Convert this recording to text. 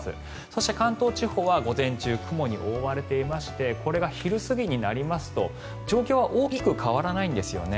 そして、関東地方は午前中雲に覆われていましてこれが昼過ぎになりますと状況は大きく変わらないんですよね。